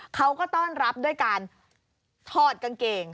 เขาก็ต้อนรับด้วยการถอดกางเกง